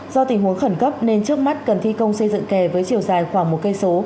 do tình huống khẩn cấp nên trước mắt cần thi công xây dựng kè với chiều dài khoảng một cây số